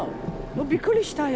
びっくりしたよ。